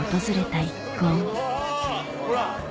ほら！